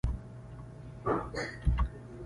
اکبر زمینداوری د مغلو د دوې په اوایلو کښي ژوندی وو.